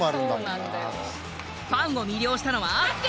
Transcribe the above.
ファンを魅了したのは。